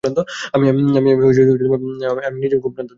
আমি নিজেও খুব ক্লান্ত।